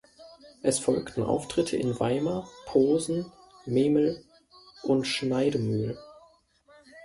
Es folgten Auftritte in Weimar, Posen, Memel und Schneidemühl.